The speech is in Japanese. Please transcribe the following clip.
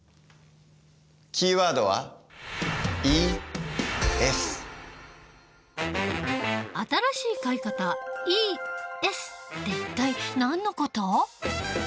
キーワードは新しい買い方「ＥＳ」って一体何の事？